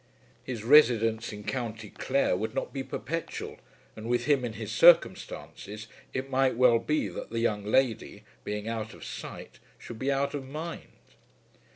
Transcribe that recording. His residence in County Clare would not be perpetual, and with him in his circumstances it might well be that the young lady, being out of sight, should be out of mind.